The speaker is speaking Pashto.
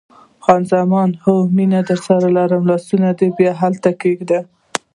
خان زمان: اوه، مینه درسره لرم، لاسونه دې بیا هلته کښېږده.